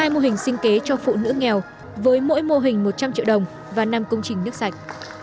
hai mô hình sinh kế cho phụ nữ nghèo với mỗi mô hình một trăm linh triệu đồng và năm công trình nước sạch